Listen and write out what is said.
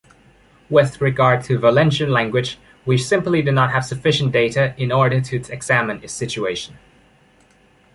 With regard to Valencian language, we simply do not have sufficient data in order to examine its situation.